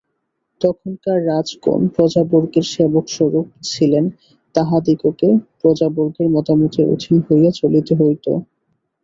তখনকার রাজগণ প্রজাবর্গের সেবকস্বরূপ ছিলেন, তাঁহাদিগকে প্রজাবর্গের মতামতের অধীন হইয়া চলিতে হইত।